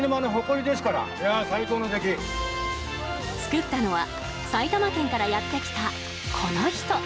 作ったのは埼玉県からやってきたこの人！